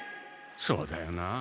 そうだよなあ